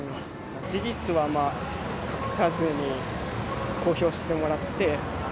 事実は隠さずに公表してもらって。